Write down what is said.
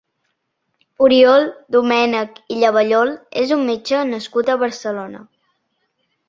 Oriol Domènec i Llavallol és un metge nascut a Barcelona.